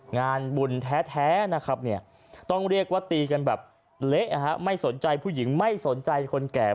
งานบุญแท้นะครับต้องเรียกว่าตีกันแบบเละไม่สนใจผู้หญิงไม่สนใจคนแก่